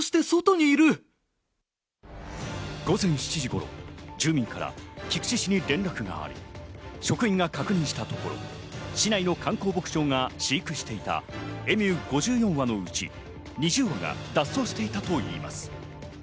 午前７時頃、住民から菊池市に連絡があり、職員が確認したところ、市内の観光牧場が飼育していたエミュー５４羽のうち２０羽が脱走していたといいます。